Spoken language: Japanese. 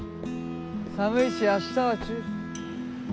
寒いし明日は中止。